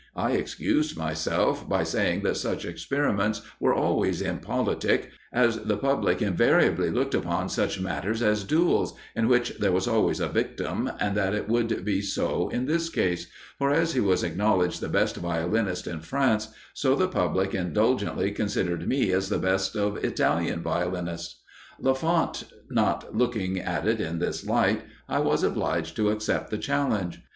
I excused myself by saying that such experiments were always impolitic, as the public invariably looked upon such matters as duels, in which there was always a victim, and that it would be so in this case; for as he was acknowledged the best violinist in France, so the public indulgently considered me as the best of Italian violinists. Lafont not looking at it in this light, I was obliged to accept the challenge.